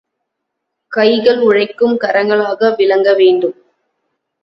கைகள் உழைக்கும் கரங்களாக விளங்க வேண்டும்.